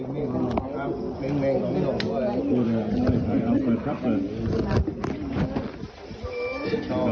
๓๘นิดหนึ่งหรือ๓๘นิดหนึ่ง